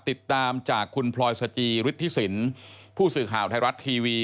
ติดตามจากคุณพลอยสจิฤทธิสินผู้สื่อข่าวไทยรัฐทีวี